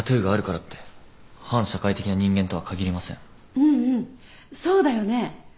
うんうんそうだよね。